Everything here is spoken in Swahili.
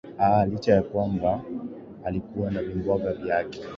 aa licha ya kwamba alikuwa na vimbwanga vyake